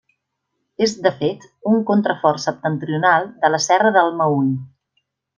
És, de fet, un contrafort septentrional de la Serra del Meüll.